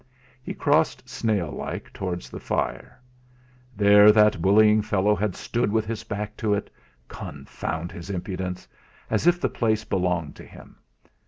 He crossed, snail like, towards the fire. There that bullying fellow had stood with his back to it confound his impudence! as if the place belonged to him.